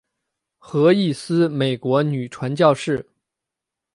何义思美国女传教士。